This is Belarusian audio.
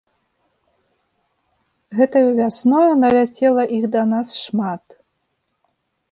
Гэтаю вясною наляцела іх да нас шмат.